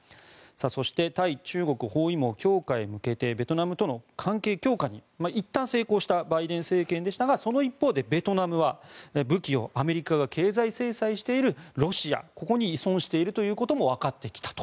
そして対中国包囲網強化へ向けてベトナムとの関係強化にいったん成功したバイデン政権でしたがその一方でベトナムは武器をアメリカが経済制裁しているロシアに依存しているということもわかってきたと。